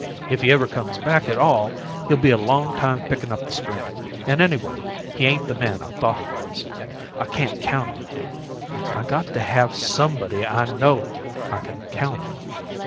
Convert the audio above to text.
If he ever comes back at all, he'll be a long time pickin' up the strings, and, anyway, he ain't the man I thought he was. I can't count on him. I got to have SOMEBODY I KNOW I can count on.